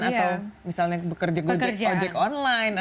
atau misalnya bekerjaan ojek online